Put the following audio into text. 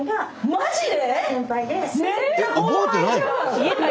マジで？